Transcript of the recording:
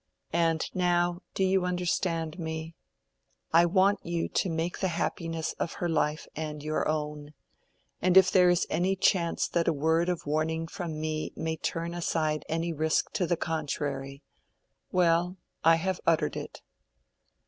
And now, do you understand me? I want you to make the happiness of her life and your own, and if there is any chance that a word of warning from me may turn aside any risk to the contrary—well, I have uttered it."